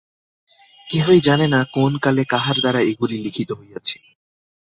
কেহই জানে না, কোন কালে কাহার দ্বারা এগুলি লিখিত হইয়াছে।